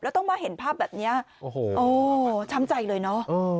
แล้วต้องมาเห็นภาพแบบนี้โอ้โหช้ำใจเลยเนอะ